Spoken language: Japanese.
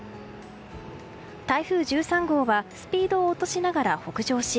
台風１３号はスピードを落としながら北上し